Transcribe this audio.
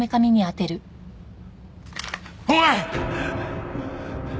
おい！